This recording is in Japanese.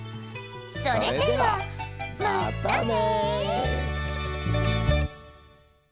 それではまったね。